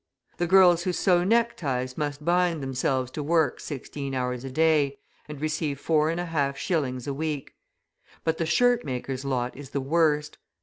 The girls who sew neckties must bind themselves to work sixteen hours a day, and receive 4.5s. a week. But the shirtmakers' lot is the worst.